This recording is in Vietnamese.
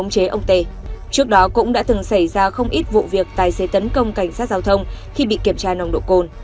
chế ông t trước đó cũng đã từng xảy ra không ít vụ việc tài xế tấn công cảnh sát giao thông khi bị kiểm tra nồng độ côn